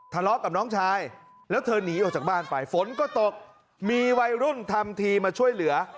ทะเลาะกับน้องชายแล้วเธอหนีออกจากบ้านไปฝนก็ตกมีวัยรุ่นทำทีมาช่วยเหลือ